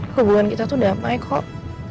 hubungan kita tuh damai kok